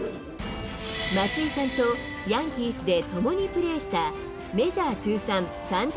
松井さんとヤンキースで共にプレーしたメジャー通算３０００